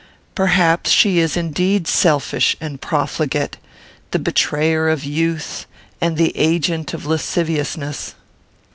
Perhaps she is indeed selfish and profligate; the betrayer of youth and the agent of lasciviousness.